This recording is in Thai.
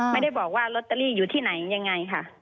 ไม่ได้บอกว่าลอตเตอรี่อยู่ที่ไหนยังไงค่ะ